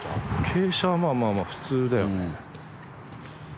傾斜はまあまあ普通だよね。